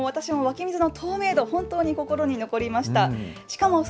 もう私も湧き水の透明度、本当に心に残りました。